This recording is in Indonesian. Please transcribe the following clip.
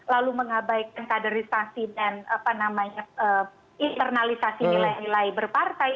lalu mengabaikan kaderisasi dan internalisasi nilai nilai berpartai